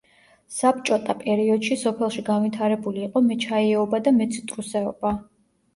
საბჭოტა პერიოდში სოფელში განვითარებული იყო მეჩაიეობა და მეციტრუსეობა.